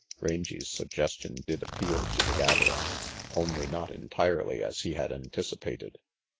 Rangy's suggestion did appeal to the gathering, only not entirely as he had anticipated.